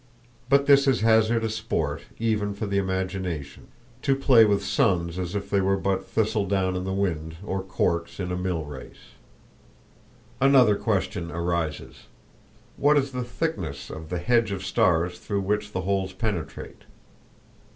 But this is hazardous sport even for the imagination—to play with suns as if they were but thistle down in the wind or corks in a mill race. Another question arises: What is the thickness of the hedge of stars through which the holes penetrate?